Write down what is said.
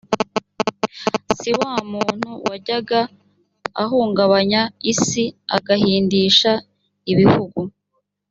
si wa muntu wajyaga ahungabanya isi agahindisha ibihugu